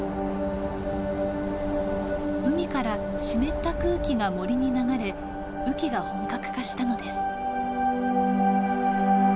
海から湿った空気が森に流れ雨季が本格化したのです。